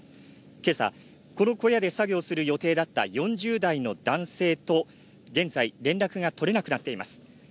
今朝、この小屋で作業する予定だった４０代の男性と現在連絡が取れなくなっています。